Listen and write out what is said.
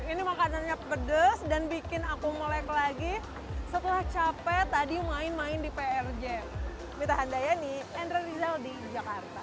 ini makanannya pedes dan bikin aku melek lagi setelah capek tadi main main di prj